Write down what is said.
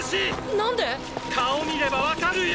何で⁉顔見ればわかるよ！！